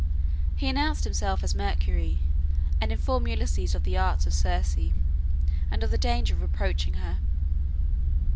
He announced himself as Mercury, and informed Ulysses of the arts of Circe, and of the danger of approaching her.